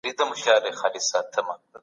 سياستپوهنه د نورو د نفوذ مخنيوی کوي.